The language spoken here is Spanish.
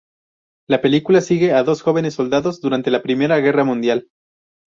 La película sigue a dos jóvenes soldados durante la Primera Guerra Mundial.